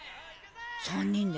３人で？